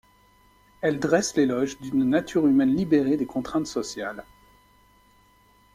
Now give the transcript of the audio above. Elle dresse l'éloge d'une nature humaine libérée des contraintes sociales.